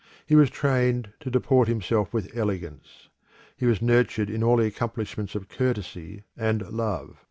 He was trained to deport himself with elegance; he was nurtured in all the accomplishments of courtesy and love.